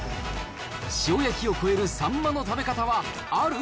塩焼きを超えるサンマの食べ方はある？